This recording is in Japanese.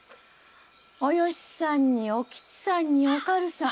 およしさんにおきちさんにおかるさん。